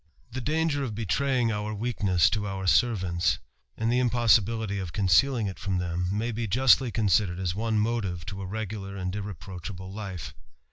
The danger of betraying our weakness to our servaotaj and the impossibility of concealing it from them, may I justly considered as one motive to a regular and irreproacl* able life.